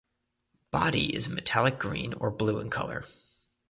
Body is metallic green or blue in color.